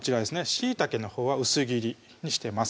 しいたけは薄切りにしてます